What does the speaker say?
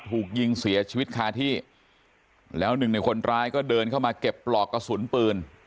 ถูกยิงเสียชีวิตคาที่แล้วหนึ่งในคนร้ายก็เดินเข้ามาเก็บปลอกกระสุนปืน